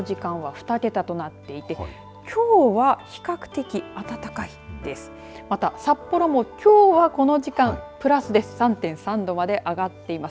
この時間は、２桁となっていてきょうは比較的暖かいです。